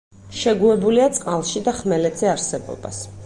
შეგუებულია წყალში და ხმელეთზე არსებობას.